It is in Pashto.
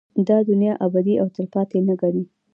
دا دنيا ابدي او تلپاتې نه گڼي